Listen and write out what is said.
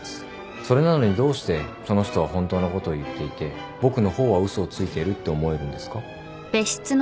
それなのにどうしてその人は本当のことを言っていて僕の方は嘘をついているって思えるんですか？